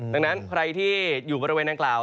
ดังนั้นใครที่อยู่บริเวณนางกล่าว